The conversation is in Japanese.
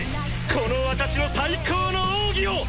この私の最高の奥義を！